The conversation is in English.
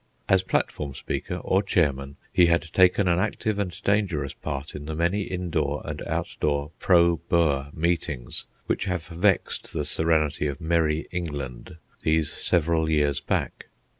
As platform speaker or chairman he had taken an active and dangerous part in the many indoor and outdoor pro Boer meetings which have vexed the serenity of Merry England these several years back.